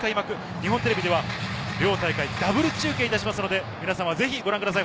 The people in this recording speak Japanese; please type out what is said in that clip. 日本テレビでは両大会をダブル中継しますので、ぜひご覧ください。